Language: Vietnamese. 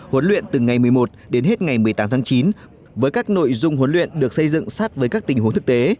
huấn luyện từ ngày một mươi một đến hết ngày một mươi tám tháng chín với các nội dung huấn luyện được xây dựng sát với các tình huống thực tế